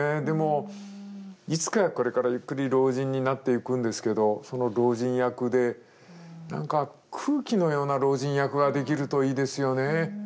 でもいつかこれからゆっくり老人になっていくんですけどその老人役で何か空気のような老人役ができるといいですよね。